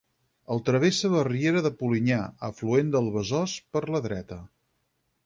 El travessa la riera de Polinyà, afluent del Besòs per la dreta.